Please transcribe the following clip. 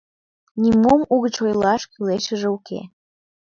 Нимом угыч ойлаш кӱлешыже уке.